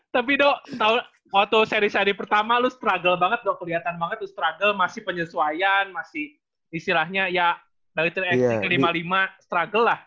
tapi do waktu seri seri pertama lu struggle banget do kelihatan banget lu struggle masih penyesuaian masih istilahnya ya dari tiga lima lima struggle lah